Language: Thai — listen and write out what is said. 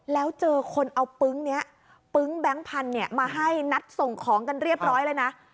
แล้วเจอคนเอาปึ๊งนี้ปึ๊งแบงค์พันธุ์มาให้นัดส่งของกันเรียบร้อยเลยนะ